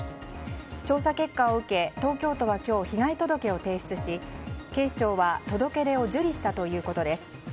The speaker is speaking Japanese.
調査結果を受け、東京都は今日被害届を提出し警視庁は届け出を受理したということです。